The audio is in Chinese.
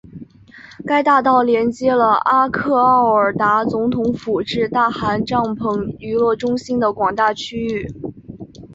该大道连接了阿克奥尔达总统府至大汗帐篷娱乐中心的广大区域。